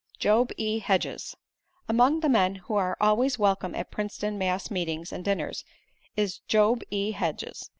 Job E. Hedges Among the men who are always welcome at Princeton mass meetings and dinners, is Job E. Hedges.